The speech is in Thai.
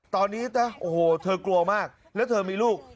ตอนนี้นะโอ้โหเธอกลัวมากแล้วเธอมีลูก